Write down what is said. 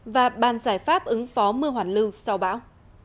và ban giải pháp ứng phó mưa hoàn lưu sau bão